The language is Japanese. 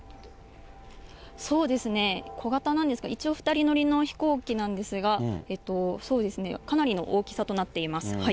そうですね、小型なんですけど、一応、２人乗りの飛行機なんですが、かなりの大きさとなっています。